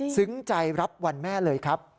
ใจรับวันแม่เลยครับ